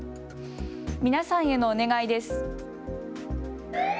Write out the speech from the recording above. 皆さんへのお願いです。